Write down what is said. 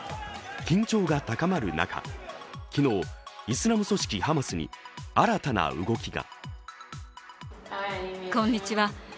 緊張が高まる中、昨日、イスラム組織ハマスに新たな動きが。